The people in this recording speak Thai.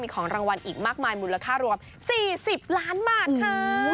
มากมายหมุนราคารวม๔๐ล้านบาทค่ะ